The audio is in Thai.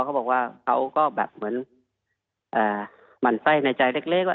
เขาบอกว่าเขาก็แบบเหมือนหมั่นไส้ในใจเล็กว่า